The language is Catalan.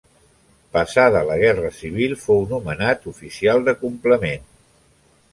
Passada la Guerra Civil fou nomenat oficial de complement.